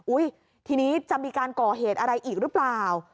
ทีนี้จะมีการก่อเหตุอะไรอีกหรือเปล่า